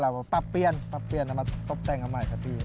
แล้วก็อะไรปรับเปลี่ยนปรับเปลี่ยนแล้วมาตกแต่งกันใหม่ครับพี่